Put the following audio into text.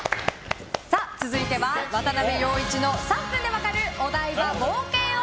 続いては、渡部陽一の３分でわかるお台場冒険王。